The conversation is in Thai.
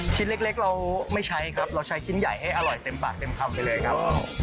ชิ้นเล็กเราไม่ใช้ครับเราใช้ชิ้นใหญ่ให้อร่อยเต็มปากเต็มคำไปเลยครับ